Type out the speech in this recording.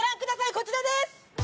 こちらです。